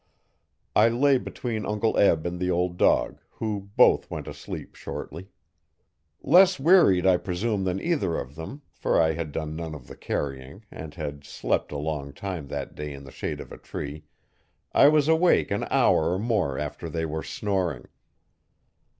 I lay between Uncle Eb and the old dog, who both went asleep shortly. Less wearied I presume than either of them, for I had done none of the carrying, and had slept along time that day in the shade of a tree, I was awake an hour or more after they were snoring.